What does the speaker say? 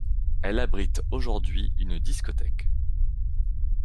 Elle abrite aujourd'hui une discothèque.